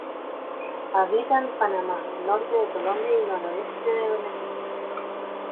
Habita en Panamá, norte de Colombia y noroeste de Venezuela.